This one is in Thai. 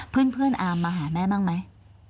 เพื่อนอามมาหาแม่บ้างไหม